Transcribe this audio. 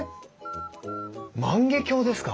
万華鏡ですか！